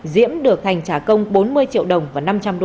diễm được thành trả công bốn mươi triệu đồng và năm trăm linh usd